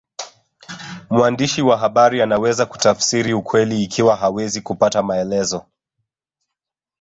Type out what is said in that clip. Mwandishi wa habari anaweza kutafsiri ukweli ikiwa hawezi kupata maelezo